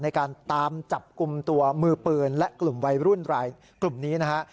ในการตามจับกลุ่มตัวมือปืนและกลุ่มวัยรุ่นรายกลุ่มนี้นะฮะ